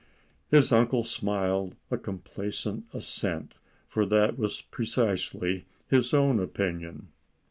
His uncle smiled a complacent assent, for that was precisely his own opinion.